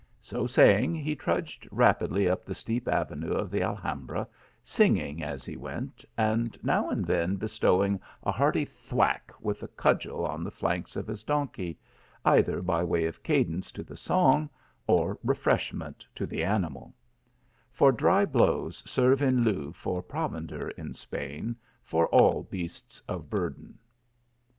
So saying, he trudged rapidly up the steep avenue of the Alhambra, singing as he went, and now and then bestowing a hearty thwack with a cudgel on the flanks of his donkey, either by way of cadence to the song, or refreshment to the animal ; for dry blows serve in lieu for provender in Spain, for all beasts of burden.